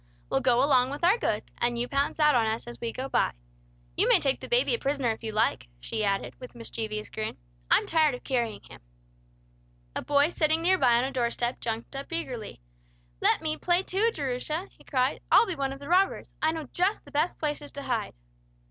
We'll go along with our goods, and you pounce out on us as we go by. You may take the baby as a prisoner if you like," she added, with a mischievous grin. "I'm tired of carrying him." A boy sitting near by on a door step, jumped up eagerly. "Let me play, too, Jerusha!" he cried. "I'll be one of the robbers. I know just the best places to hide!"